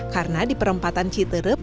karena di perempatan citirup